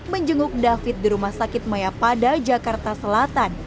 menjenguk david di rumah sakit mayapada jakarta selatan